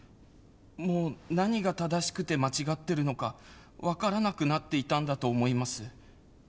もう何が正しくて間違ってるのか分からなくなっていたんだと思います。